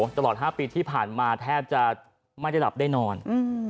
ตลอด๕ปีที่ผ่านมาแทบจะไม่ได้หลับได้นอน